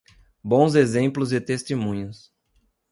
Bons exemplos e testemunhos